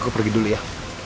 aku pergi dulu ya